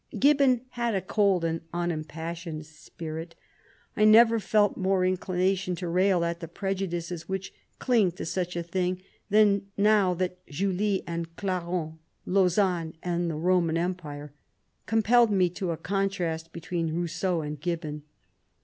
Gibbon had a cold and unimpassioned spirit. I never felt more inclination to rail at the preju dices which cling to such a thing, than now that Julie and Clarens, Lausanne and the Roman Empire, compelled me to a contrast between Rousseau and Gibbon.